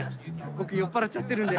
僕酔っ払っちゃってるんで。